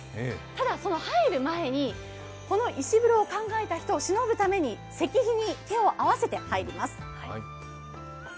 ただ、入る前に、この石風呂を考えた人をしのぶために石碑に手を合わせて入ります。